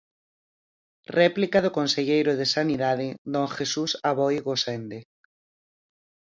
Réplica do conselleiro de Sanidade, don Jesús Aboi Gosende.